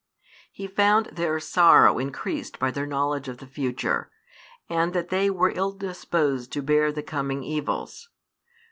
He found their sorrow increased by their knowledge of the future, and that they were ill disposed to bear the coming evils.